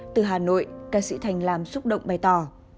từ hà nội ca sĩ thành làm xúc động bày tỏ